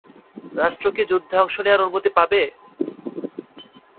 রাষ্ট্র কি যুদ্ধে অংশ নেয়ার অনুমতি পাবে?